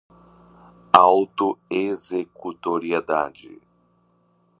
auto-executoriedade